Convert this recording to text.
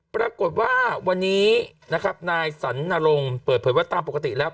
ปรากฏว่าวันนี้นะครับนายสันนรงค์เปิดเผยว่าตามปกติแล้ว